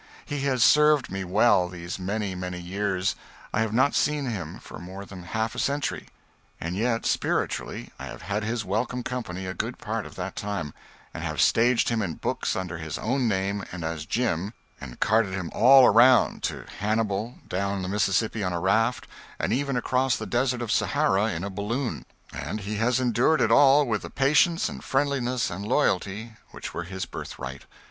He has served me well, these many, many years. I have not seen him for more than half a century, and yet spiritually I have had his welcome company a good part of that time, and have staged him in books under his own name and as "Jim," and carted him all around to Hannibal, down the Mississippi on a raft, and even across the Desert of Sahara in a balloon and he has endured it all with the patience and friendliness and loyalty which were his birthright.